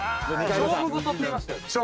勝負事って言いましたよね。